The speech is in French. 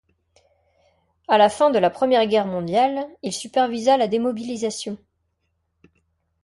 À la fin de la Première Guerre mondiale, il supervisa la démobilisation.